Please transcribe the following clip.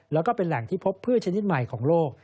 แล้วก็เป็นแหล่งที่พบพืชชนิดใหม่ของโลก